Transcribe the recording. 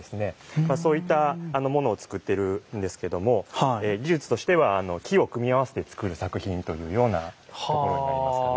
そういった物を作っているんですけども技術としては木を組み合わせて作る作品というようなところになりますかね。